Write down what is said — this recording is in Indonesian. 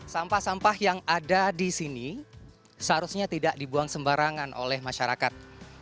sampah sampah yang ada di sini seharusnya tidak dibuang sembarangan oleh masyarakat